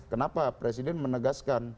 kenapa presiden menegaskan